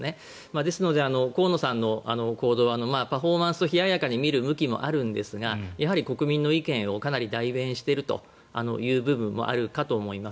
ですので河野さんの行動はパフォーマンスと冷ややかに見る動きもあるんですがやはり国民の意見をかなり代弁しているという部分もあるかと思います。